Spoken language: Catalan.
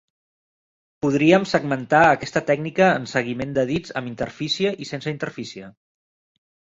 Podríem segmentar aquesta tècnica en seguiment de dits amb interfície i sense interfície.